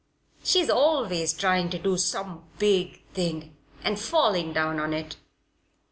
She's always trying to do some big thing and 'falling down' on it."